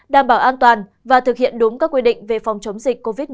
đảm bảo an toàn và thực hiện đúng các quy định về phòng chống dịch covid một mươi chín